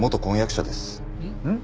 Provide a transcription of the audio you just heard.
ん？